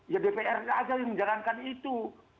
ya dpr aja yang menjalankan itu